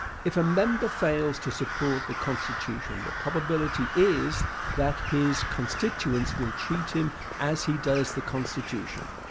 If a member fails to support the Constitution the probability is that his constituents will treat him as he does the Constitution.